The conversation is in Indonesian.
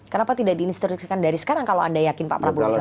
kenapa tidak diinstruksikan dari sekarang kalau anda yakin pak prabowo bisa